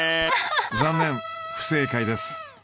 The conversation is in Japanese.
残念不正解です。